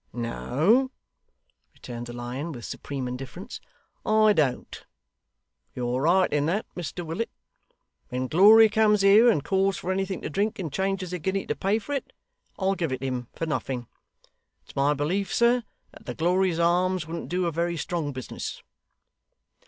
'No,' returned the Lion, with supreme indifference. 'I don't. You're right in that, Mr Willet. When Glory comes here, and calls for anything to drink and changes a guinea to pay for it, I'll give it him for nothing. It's my belief, sir, that the Glory's arms wouldn't do a very strong business.